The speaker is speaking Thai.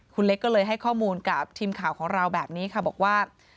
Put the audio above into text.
คุณเล็กก็เลยให้ข้อมูลกับทีมข่าวของเราแบบนี้ค่ะบอกว่า